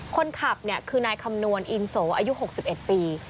คนขับคือนายคำนวณอินโสอายุ๖๑ปี